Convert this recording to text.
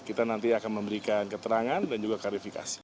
kita nanti akan memberikan keterangan dan juga klarifikasi